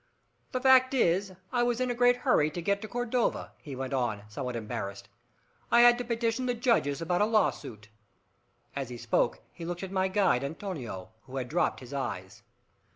"The fact is I was in a great hurry to get to Cordova," he went on, somewhat embarrassed. "I had to petition the judges about a lawsuit." As he spoke, he looked at my guide Antonio, who had dropped his eyes.